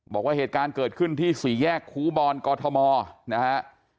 บอกว่าเหตุการณ์เกิดขึ้นที่สี่แยกครูบอลกอทมนะฮะ